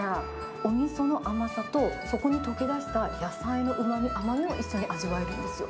おみその甘さとそこに溶け出した野菜のうまみ、甘みも一緒に味わえるんですよ。